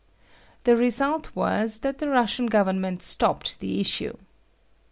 The result ^^VvBs, that the Eussian government stopped the ^^H issue.